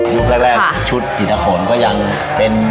อิตถรรยกแรกชุดอิตถรรก็ยังเป็น